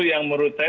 yang menurut saya